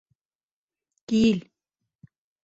Кил!..